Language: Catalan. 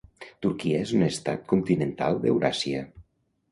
Turquia és un estat continental d'Euràsia.